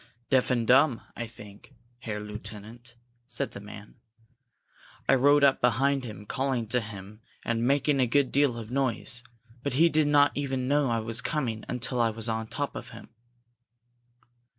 "Deaf and dumb, I think, Herr Lieutenant," said the man. "I rode up behind him, calling to him and making a good deal of noise, but he did not even know I was coming until I was on top of him."